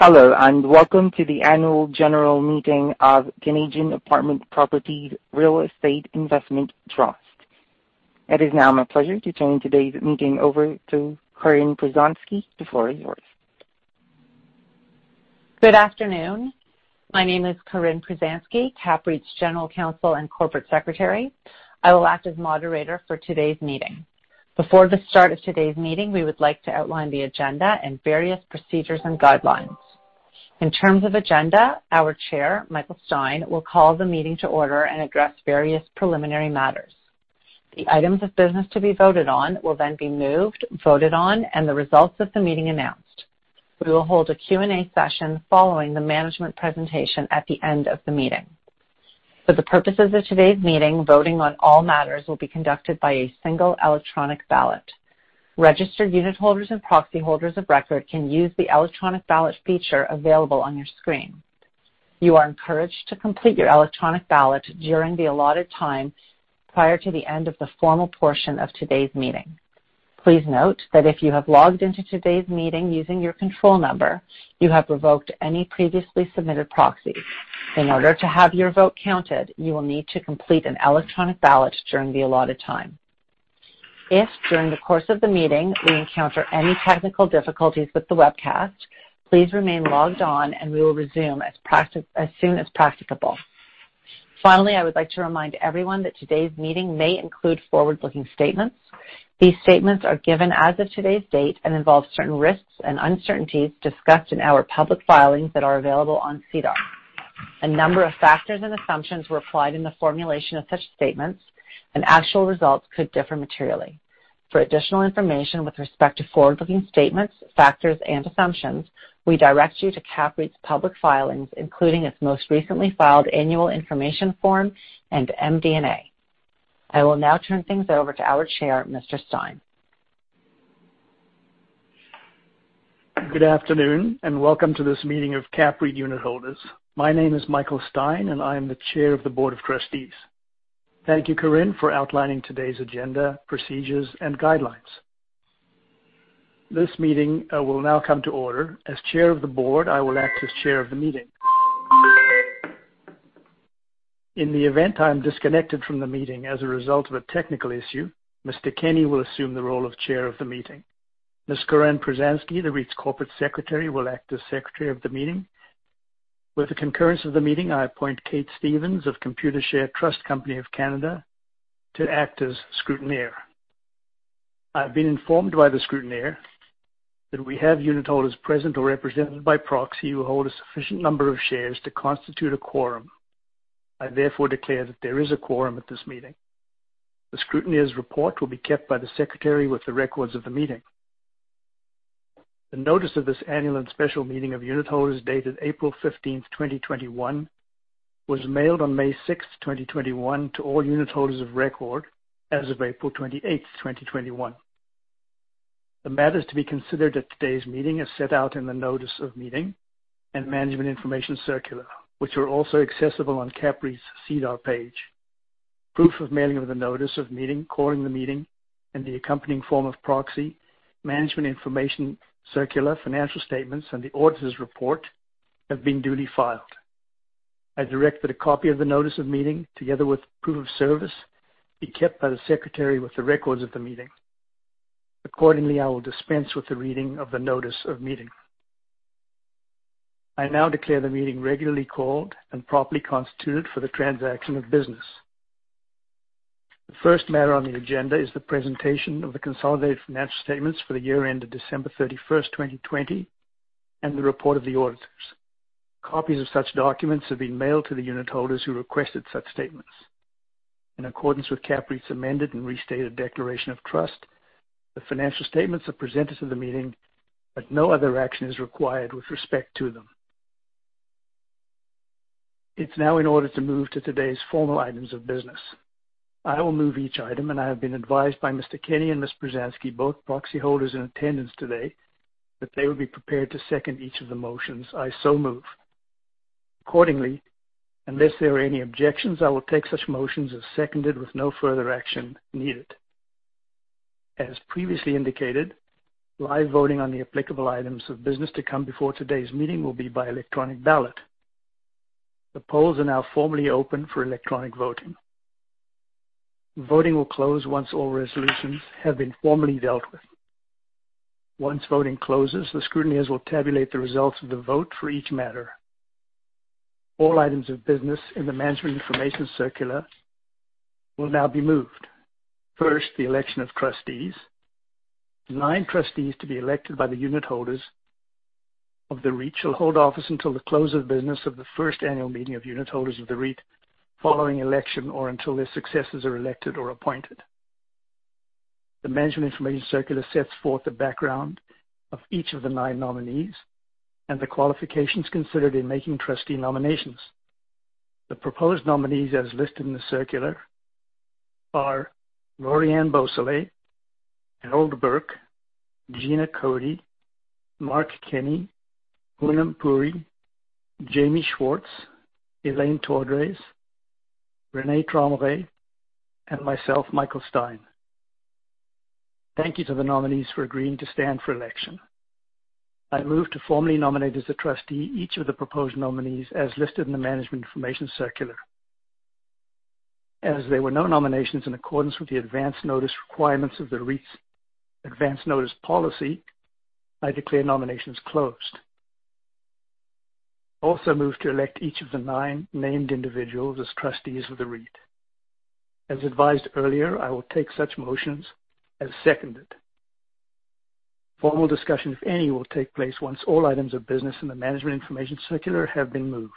Hello, welcome to the annual general meeting of Canadian Apartment Properties Real Estate Investment Trust. It is now my pleasure to turn today's meeting over to Corinne Pruzanski. The floor is yours. Good afternoon. My name is Corinne Pruzanski, CAPREIT's general counsel and corporate secretary. I will act as moderator for today's meeting. Before the start of today's meeting, we would like to outline the agenda and various procedures and guidelines. In terms of agenda, our chair, Michael Stein, will call the meeting to order and address various preliminary matters. The items of business to be voted on will then be moved, voted on, and the results of the meeting announced. We will hold a Q&A session following the management presentation at the end of the meeting. For the purposes of today's meeting, voting on all matters will be conducted by a single electronic ballot. Registered unitholders and proxy holders of record can use the electronic ballot feature available on your screen. You are encouraged to complete your electronic ballot during the allotted time prior to the end of the formal portion of today's meeting. Please note that if you have logged in to today's meeting using your control number, you have revoked any previously submitted proxies. In order to have your vote counted, you will need to complete an electronic ballot during the allotted time. If, during the course of the meeting, we encounter any technical difficulties with the webcast, please remain logged on, and we will resume as soon as practicable. Finally, I would like to remind everyone that today's meeting may include forward-looking statements. These statements are given as of today's date and involve certain risks and uncertainties discussed in our public filings that are available on SEDAR. A number of factors and assumptions were applied in the formulation of such statements, and actual results could differ materially. For additional information with respect to forward-looking statements, factors, and assumptions, we direct you to CAPREIT's public filings, including its most recently filed annual information form and MD&A. I will now turn things over to our Chair, Mr. Stein. Good afternoon, and welcome to this meeting of CAPREIT unitholders. My name is Michael Stein, and I am the Chair of the Board of Trustees. Thank you, Corinne, for outlining today's agenda, procedures, and guidelines. This meeting will now come to order. As Chair of the Board, I will act as Chair of the meeting. In the event I am disconnected from the meeting as a result of a technical issue, Mr. Kenney will assume the role of Chair of the meeting. Ms. Corinne Pruzanski, the REIT's Corporate Secretary, will act as Secretary of the meeting. With the concurrence of the meeting, I appoint Kate Stevens of Computershare Trust Company of Canada to act as scrutineer. I've been informed by the scrutineer that we have unitholders present or represented by proxy who hold a sufficient number of shares to constitute a quorum. I therefore declare that there is a quorum at this meeting. The scrutineer's report will be kept by the secretary with the records of the meeting. The notice of this annual and special meeting of unitholders, dated April 15th, 2021, was mailed on May 6th, 2021, to all unitholders of record as of April 28th, 2021. The matters to be considered at today's meeting are set out in the notice of meeting and management information circular, which are also accessible on CAPREIT's SEDAR page. Proof of mailing of the notice of meeting, calling the meeting, and the accompanying form of proxy, management information circular, financial statements, and the auditor's report have been duly filed. I direct that a copy of the notice of meeting, together with proof of service, be kept by the secretary with the records of the meeting. Accordingly, I will dispense with the reading of the notice of meeting. I now declare the meeting regularly called and properly constituted for the transaction of business. The first matter on the agenda is the presentation of the consolidated financial statements for the year ended December 31st, 2020, and the report of the auditors. Copies of such documents have been mailed to the unitholders who requested such statements. In accordance with CAPREIT's amended and restated declaration of trust, the financial statements are presented to the meeting, but no other action is required with respect to them. It's now in order to move to today's formal items of business. I will move each item, and I have been advised by Mr. Kenney and Ms. Pruzanski, both proxy holders in attendance today, that they will be prepared to second each of the motions. I so move. Accordingly, unless there are any objections, I will take such motions as seconded with no further action needed. As previously indicated, live voting on the applicable items of business to come before today's meeting will be by electronic ballot. The polls are now formally open for electronic voting. Voting will close once all resolutions have been formally dealt with. Once voting closes, the scrutineers will tabulate the results of the vote for each matter. All items of business in the management information circular will now be moved. First, the election of trustees. Nine trustees to be elected by the unitholders of the REIT shall hold office until the close of business of the first annual meeting of unitholders of the REIT following election or until their successors are elected or appointed. The management information circular sets forth the background of each of the nine nominees and the qualifications considered in making trustee nominations. The proposed nominees, as listed in the circular, are Lori-Ann Beausoleil, Harold Burke, Gina Cody, Mark Kenney, Poonam Puri, Jamie Schwartz, Elaine Todres, René Tremblay, and myself, Michael Stein. Thank you to the nominees for agreeing to stand for election. I move to formally nominate as a trustee each of the proposed nominees as listed in the management information circular. As there were no nominations in accordance with the advance notice requirements of the REIT's advance notice policy, I declare nominations closed. I also move to elect each of the nine named individuals as trustees of the REIT. As advised earlier, I will take such motions as seconded. Formal discussions, if any, will take place once all items of business in the management information circular have been moved.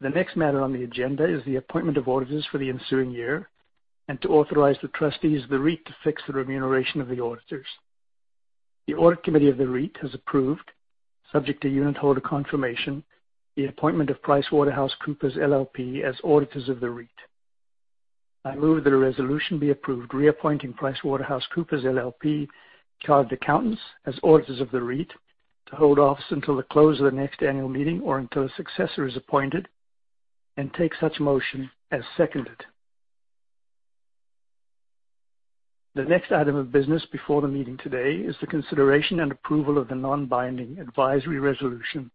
The next matter on the agenda is the appointment of auditors for the ensuing year and to authorize the trustees of the REIT to fix the remuneration of the auditors. The audit committee of the REIT has approved, subject to unitholder confirmation, the appointment of PricewaterhouseCoopers LLP as auditors of the REIT. I move that a resolution be approved reappointing PricewaterhouseCoopers LLP, chartered accountants, as auditors of the REIT to hold office until the close of the next annual meeting or until a successor is appointed, and take such motion as seconded. The next item of business before the meeting today is the consideration and approval of the non-binding advisory resolution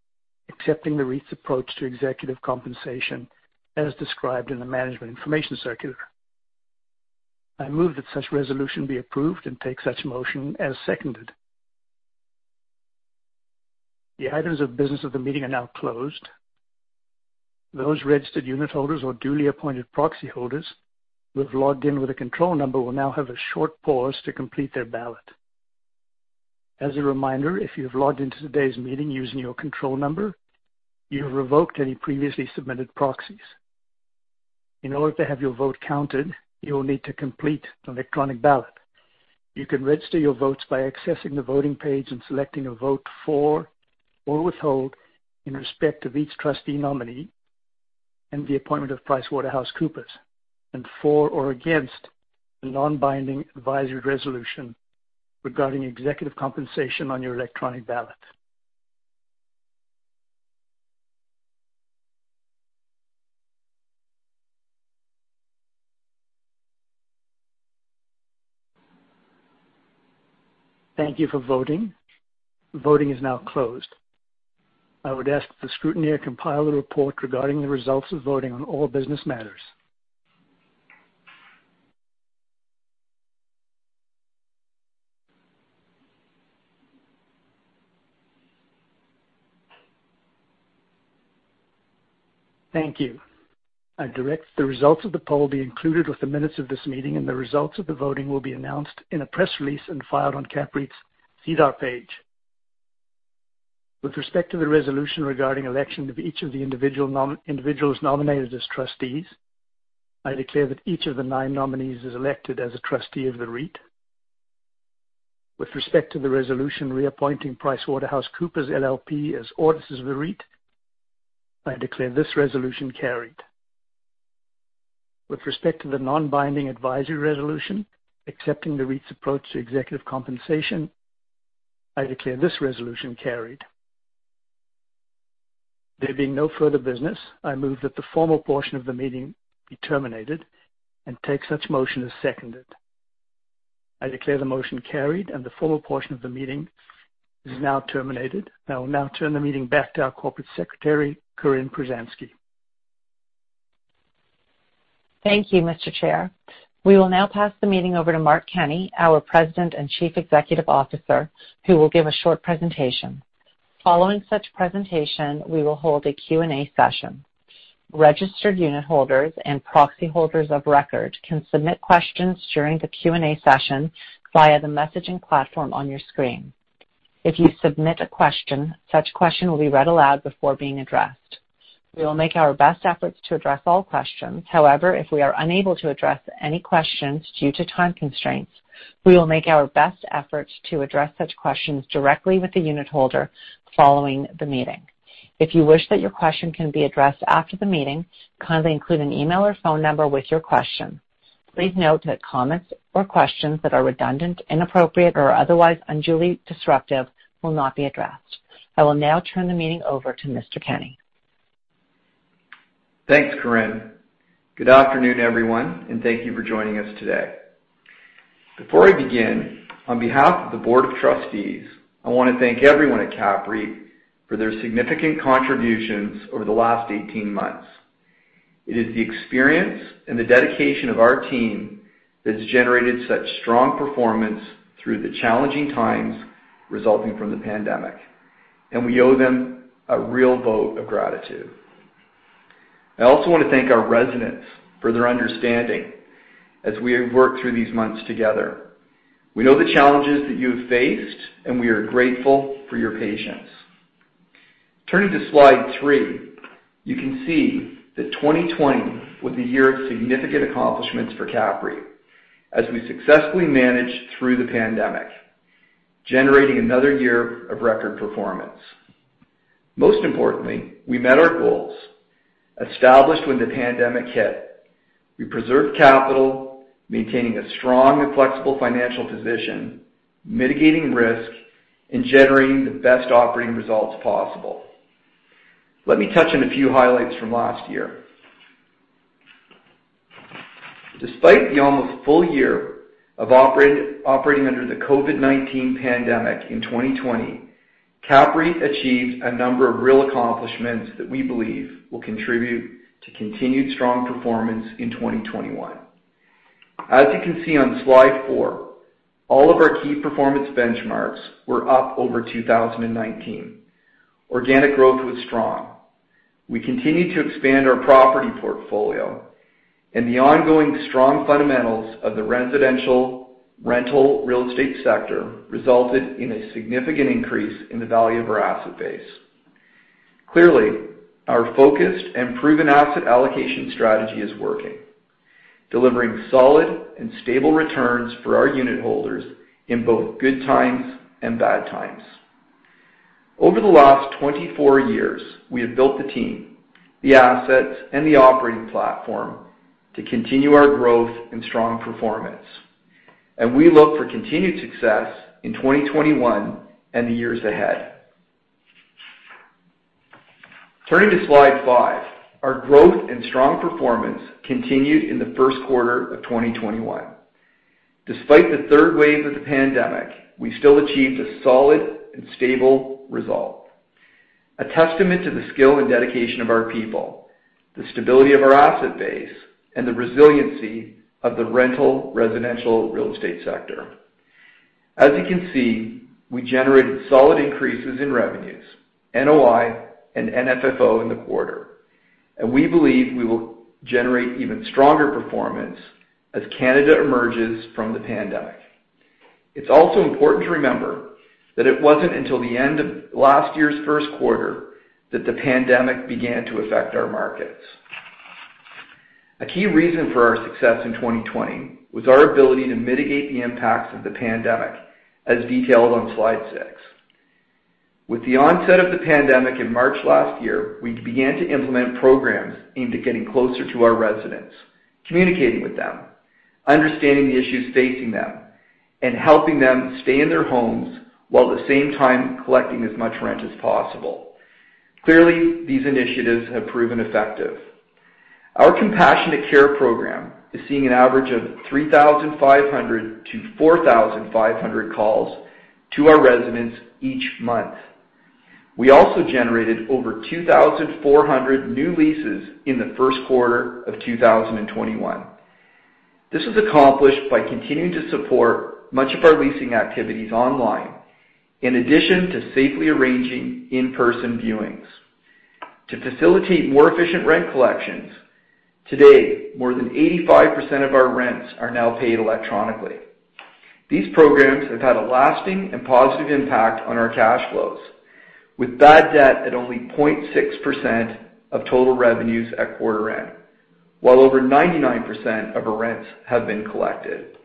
accepting the REIT's approach to executive compensation as described in the management information circular. I move that such resolution be approved and take such motion as seconded. The items of business of the meeting are now closed. Those registered unitholders or duly appointed proxy holders who have logged in with a control number will now have a short pause to complete their ballot. As a reminder, if you've logged into today's meeting using your control number, you have revoked any previously submitted proxies. In order to have your vote counted, you will need to complete an electronic ballot. You can register your votes by accessing the voting page and selecting a vote for or withhold in respect of each trustee nominee and the appointment of PricewaterhouseCoopers and for or against the non-binding advisory resolution regarding executive compensation on your electronic ballot. Thank you for voting. Voting is now closed. I would ask that the scrutineer compile a report regarding the results of voting on all business matters. Thank you. I direct the results of the poll be included with the minutes of this meeting, the results of the voting will be announced in a press release and filed on CAPREIT's SEDAR page. With respect to the resolution regarding election of each of the individuals nominated as trustees, I declare that each of the nine nominees is elected as a trustee of the REIT. With respect to the resolution reappointing PricewaterhouseCoopers LLP as auditors of the REIT, I declare this resolution carried. With respect to the non-binding advisory resolution accepting the REIT's approach to executive compensation, I declare this resolution carried. There being no further business, I move that the formal portion of the meeting be terminated and take such motion as seconded. I declare the motion carried and the formal portion of the meeting is now terminated. I will now turn the meeting back to our corporate secretary, Corinne Pruzanski. Thank you, Mr. Chair. We will now pass the meeting over to Mark Kenney, our president and chief executive officer, who will give a short presentation. Following such presentation, we will hold a Q&A session. Registered unitholders and proxy holders of record can submit questions during the Q&A session via the messaging platform on your screen. If you submit a question, such question will be read aloud before being addressed. We will make our best efforts to address all questions. However, if we are unable to address any questions due to time constraints, we will make our best efforts to address such questions directly with the unitholder following the meeting. If you wish that your question can be addressed after the meeting, kindly include an email or phone number with your question. Please note that comments or questions that are redundant, inappropriate, or otherwise unduly disruptive will not be addressed. I will now turn the meeting over to Mr. Kenney. Thanks, Corinne. Good afternoon, everyone, and thank you for joining us today. Before I begin, on behalf of the Board of Trustees, I want to thank everyone at CAPREIT for their significant contributions over the last 18 months. It is the experience and the dedication of our team that has generated such strong performance through the challenging times resulting from the pandemic, and we owe them a real vote of gratitude. I also want to thank our residents for their understanding as we have worked through these months together. We know the challenges that you have faced, and we are grateful for your patience. Turning to slide three, you can see that 2020 was a year of significant accomplishments for CAPREIT as we successfully managed through the pandemic, generating another year of record performance. Most importantly, we met our goals established when the pandemic hit. We preserved capital, maintaining a strong and flexible financial position, mitigating risk, and generating the best operating results possible. Let me touch on a few highlights from last year. Despite the almost full year of operating under the COVID-19 pandemic in 2020, CAPREIT achieved a number of real accomplishments that we believe will contribute to continued strong performance in 2021. As you can see on slide four, all of our key performance benchmarks were up over 2019. Organic growth was strong. We continued to expand our property portfolio, the ongoing strong fundamentals of the residential rental real estate sector resulted in a significant increase in the value of our asset base. Clearly, our focused and proven asset allocation strategy is working, delivering solid and stable returns for our unit holders in both good times and bad times. Over the last 24 years, we have built the team, the assets, and the operating platform to continue our growth and strong performance. We look for continued success in 2021 and the years ahead. Turning to slide five, our growth and strong performance continued in the first quarter of 2021. Despite the third wave of the pandemic, we still achieved a solid and stable result, a testament to the skill and dedication of our people, the stability of our asset base, and the resiliency of the rental residential real estate sector. As you can see, we generated solid increases in revenues, NOI, and FFO in the quarter, and we believe we will generate even stronger performance as Canada emerges from the pandemic. It's also important to remember that it wasn't until the end of last year's first quarter that the pandemic began to affect our markets. A key reason for our success in 2020 was our ability to mitigate the impacts of the pandemic, as detailed on slide six. With the onset of the pandemic in March last year, we began to implement programs aimed at getting closer to our residents, communicating with them, understanding the issues facing them, and helping them stay in their homes while at the same time collecting as much rent as possible. Clearly, these initiatives have proven effective. Our Compassionate Care program is seeing an average of 3,500 to 4,500 calls to our residents each month. We also generated over 2,400 new leases in the first quarter of 2021. This was accomplished by continuing to support much of our leasing activities online, in addition to safely arranging in-person viewings. To facilitate more efficient rent collections, today, more than 85% of our rents are now paid electronically. These programs have had a lasting and positive impact on our cash flows. With bad debt at only 0.6% of total revenues at quarter end, while over 99% of our rents have been collected.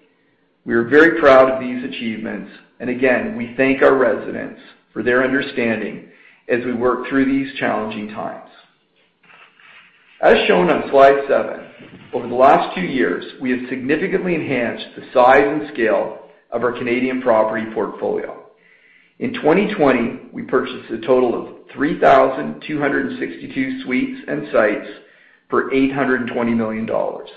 We are very proud of these achievements, and again, we thank our residents for their understanding as we work through these challenging times. As shown on slide seven, over the last two years, we have significantly enhanced the size and scale of our Canadian property portfolio. In 2020, we purchased a total of 3,262 suites and sites for 820 million dollars,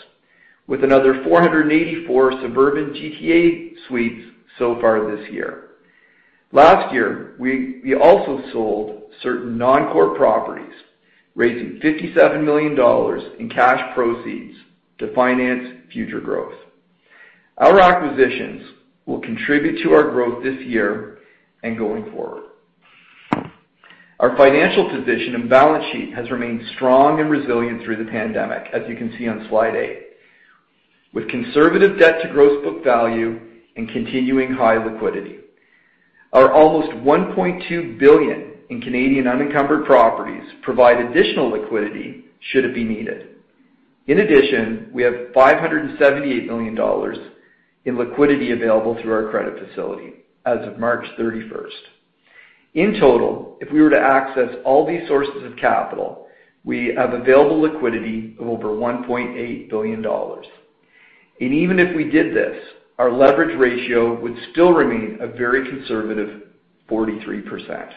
with another 484 suburban GTA suites so far this year. Last year, we also sold certain non-core properties, raising 57 million dollars in cash proceeds to finance future growth. Our acquisitions will contribute to our growth this year and going forward. Our financial position and balance sheet has remained strong and resilient through the pandemic, as you can see on slide eight. With conservative debt to gross book value and continuing high liquidity. Our almost 1.2 billion in Canadian unencumbered properties provide additional liquidity should it be needed. In addition, we have 578 million dollars in liquidity available through our credit facility as of March 31st. In total, if we were to access all these sources of capital, we have available liquidity of over 1.8 billion dollars. Even if we did this, our leverage ratio would still remain a very conservative 43%.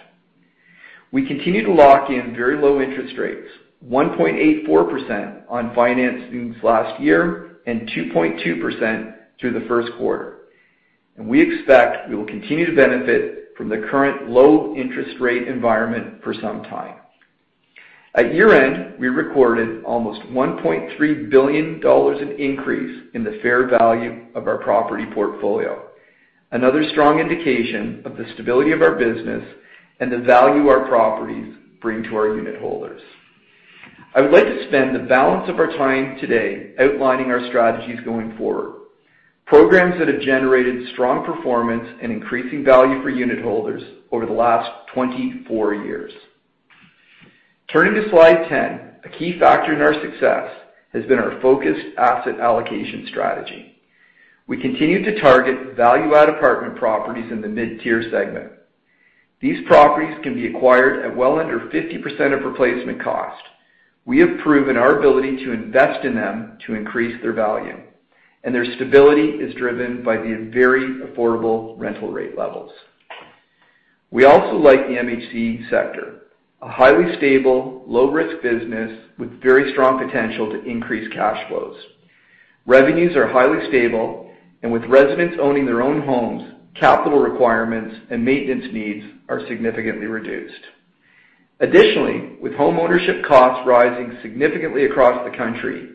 We continue to lock in very low interest rates, 1.84% on financings last year and 2.2% through the first quarter. We expect we will continue to benefit from the current low interest rate environment for some time. At year-end, we recorded almost 1.3 billion dollars in increase in the fair value of our property portfolio. Another strong indication of the stability of our business and the value our properties bring to our unitholders. I would like to spend the balance of our time today outlining our strategies going forward, programs that have generated strong performance and increasing value for unitholders over the last 24 years. Turning to slide 10, a key factor in our success has been our focused asset allocation strategy. We continue to target value-add apartment properties in the mid-tier segment. These properties can be acquired at well under 50% of replacement cost. We have proven our ability to invest in them to increase their value. Their stability is driven by the very affordable rental rate levels. We also like the MHC sector, a highly stable, low-risk business with very strong potential to increase cash flows. With residents owning their own homes, capital requirements and maintenance needs are significantly reduced. Additionally, with home ownership costs rising significantly across the country,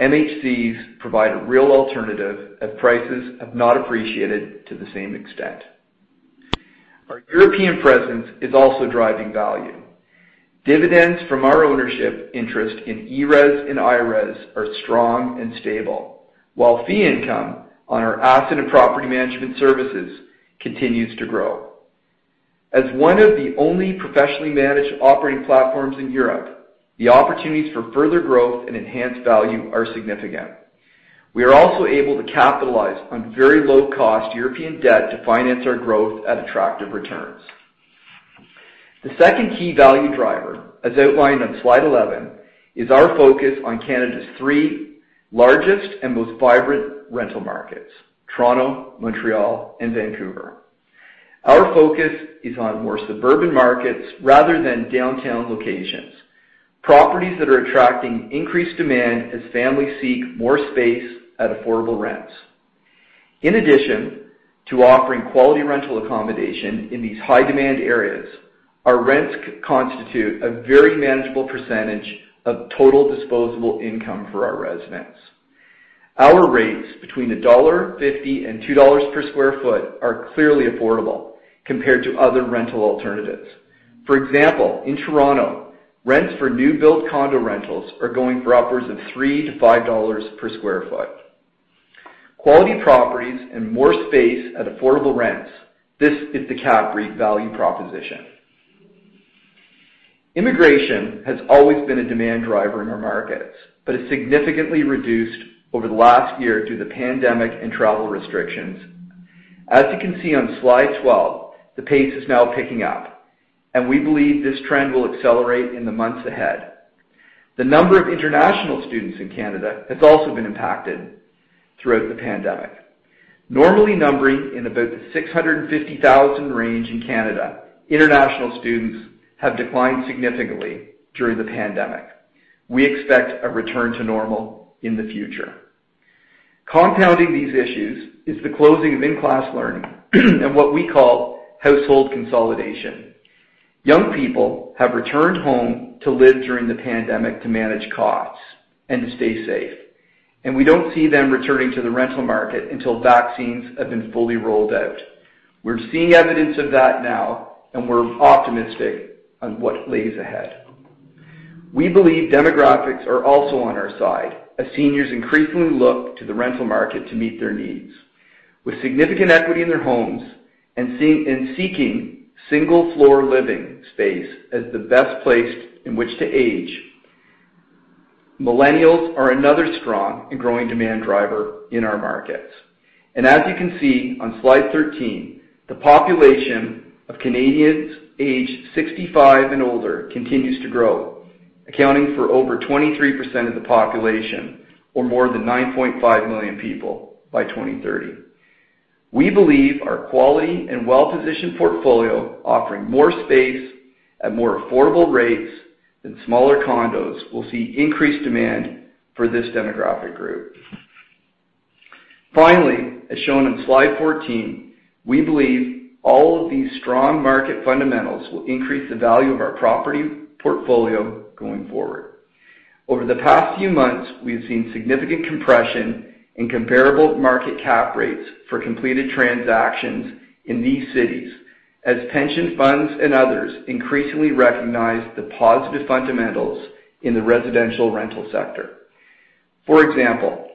MHCs provide a real alternative as prices have not appreciated to the same extent. Our European presence is also driving value. Dividends from our ownership interest in ERES and IRES are strong and stable, while fee income on our asset and property management services continues to grow. As one of the only professionally managed operating platforms in Europe, the opportunities for further growth and enhanced value are significant. We are also able to capitalize on very low-cost European debt to finance our growth at attractive returns. The second key value driver, as outlined on slide 11, is our focus on Canada's three largest and most vibrant rental markets, Toronto, Montreal, and Vancouver. Our focus is on more suburban markets rather than downtown locations, properties that are attracting increased demand as families seek more space at affordable rents. In addition to offering quality rental accommodation in these high-demand areas, our rents constitute a very manageable percentage of total disposable income for our residents. Our rates between dollar 1.50 and 2 dollars per sq ft are clearly affordable compared to other rental alternatives. For example, in Toronto, rents for new build condo rentals are going for upwards of 3 to 5 dollars per sq ft. Quality properties and more space at affordable rents. This is the CAPREIT value proposition. Immigration has always been a demand driver in our markets, but has significantly reduced over the last year due to the pandemic and travel restrictions. As you can see on slide 12, the pace is now picking up, and we believe this trend will accelerate in the months ahead. The number of international students in Canada has also been impacted throughout the pandemic. Normally numbering in about the 650,000 range in Canada, international students have declined significantly during the pandemic. We expect a return to normal in the future. Compounding these issues is the closing of in-class learning and what we call household consolidation. Young people have returned home to live during the pandemic to manage costs and to stay safe. We don't see them returning to the rental market until vaccines have been fully rolled out. We're seeing evidence of that now, and we're optimistic on what lies ahead. We believe demographics are also on our side as seniors increasingly look to the rental market to meet their needs. With significant equity in their homes and seeking single-floor living space as the best place in which to age. Millennials are another strong and growing demand driver in our markets. As you can see on slide 13, the population of Canadians aged 65 and older continues to grow, accounting for over 23% of the population or more than 9.5 million people by 2030. We believe our quality and well-positioned portfolio offering more space at more affordable rates than smaller condos will see increased demand for this demographic group. Finally, as shown on slide 14, we believe all of these strong market fundamentals will increase the value of our property portfolio going forward. Over the past few months, we've seen significant compression in comparable market cap rates for completed transactions in these cities as pension funds and others increasingly recognize the positive fundamentals in the residential rental sector. For example,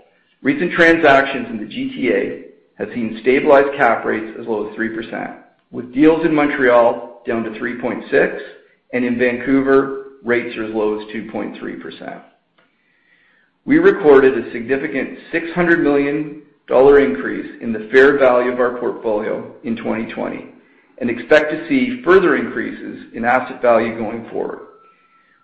recent transactions in the GTA have seen stabilized cap rates as low as 3%, with deals in Montreal down to 3.6% and in Vancouver, rates as low as 2.3%. We recorded a significant 600 million dollar increase in the fair value of our portfolio in 2020 and expect to see further increases in asset value going forward.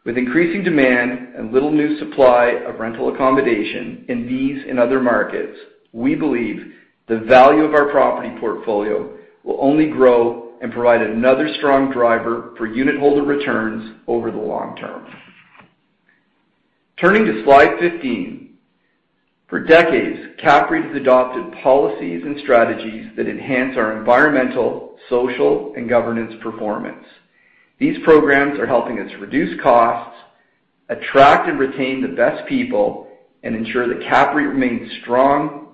With increasing demand and little new supply of rental accommodation in these and other markets, we believe the value of our property portfolio will only grow and provide another strong driver for unitholder returns over the long term. Turning to slide 15. For decades, CAPREIT has adopted policies and strategies that enhance our environmental, social, and governance performance. These programs are helping us reduce costs, attract and retain the best people, and ensure that CAPREIT remains strong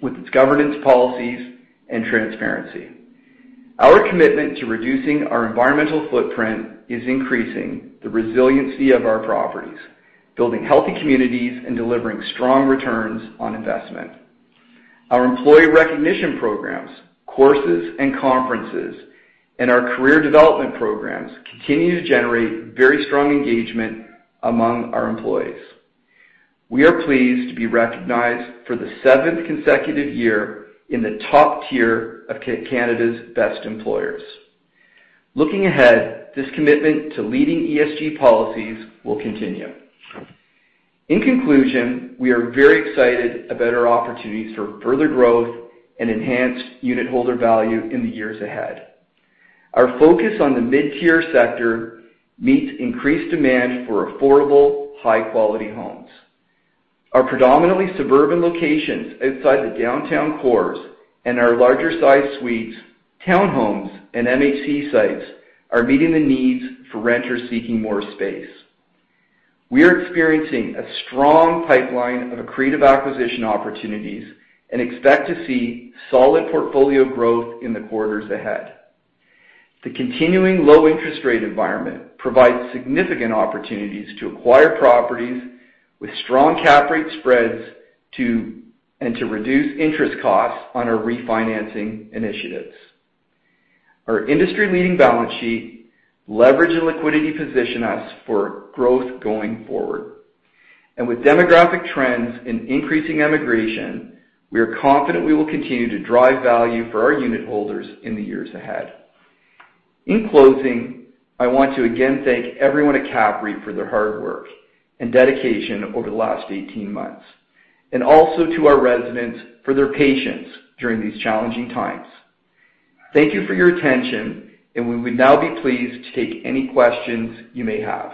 with its governance policies and transparency. Our commitment to reducing our environmental footprint is increasing the resiliency of our properties, building healthy communities, and delivering strong returns on investment. Our employee recognition programs, courses and conferences, and our career development programs continue to generate very strong engagement among our employees. We are pleased to be recognized for the seventh consecutive year in the top tier of Canada's Best Employers. Looking ahead, this commitment to leading ESG policies will continue. In conclusion, we are very excited about our opportunities for further growth and enhanced unitholder value in the years ahead. Our focus on the mid-tier sector meets increased demand for affordable, high-quality homes. Our predominantly suburban locations outside the downtown cores and our larger-sized suites, townhomes, and MHC sites are meeting the needs for renters seeking more space. We are experiencing a strong pipeline of accretive acquisition opportunities and expect to see solid portfolio growth in the quarters ahead. The continuing low-interest rate environment provides significant opportunities to acquire properties with strong cap rate spreads and to reduce interest costs on our refinancing initiatives. Our industry-leading balance sheet leverage and liquidity position us for growth going forward. With demographic trends and increasing immigration, we are confident we will continue to drive value for our unitholders in the years ahead. In closing, I want to again thank everyone at CAPREIT for their hard work and dedication over the last 18 months, and also to our residents for their patience during these challenging times. Thank you for your attention, and we would now be pleased to take any questions you may have.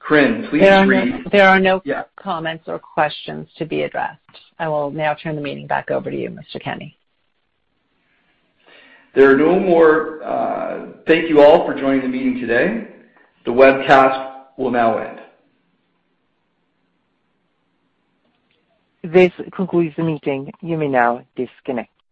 Corinne, please read. There are no comments or questions to be addressed. I will now turn the meeting back over to you, Mr. Kenney. Thank you all for joining the meeting today. The webcast will now end. This concludes the meeting. You may now disconnect.